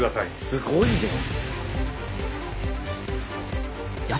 すごいね！